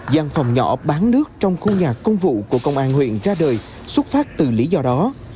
giang phòng nhỏ bán nước trong khu nhà công vụ của công an huyện ra đời xuất phát từ lý do đó